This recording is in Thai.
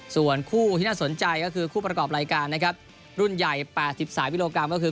ส่วนคู่ที่น่าสนใจก็คือคู่ประกอบรายการนะครับรุ่นใหญ่๘๓กิโลกรัมก็คือ